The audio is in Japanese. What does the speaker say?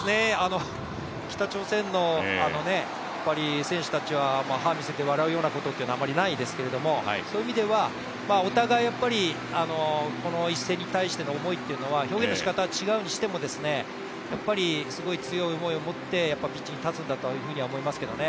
北朝鮮の選手たちは歯を見せて笑うようなことはあまりないですけど、そういう意味では、お互いこの一戦に対する思いは表現の仕方は違いますけれどもやっぱりすごい強い思いを持ってピッチに立つんだとは思いますけどね。